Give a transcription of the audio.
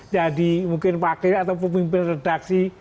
jadi mungkin pake ataupun pemimpin redaksi